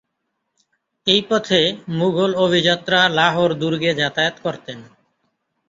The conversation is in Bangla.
এই পথে মুঘল অভিজাতরা লাহোর দুর্গে যাতায়াত করতেন।